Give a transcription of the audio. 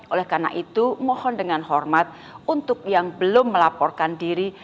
oleh karena itu mohon dengan hormat untuk yang belum melaporkan diri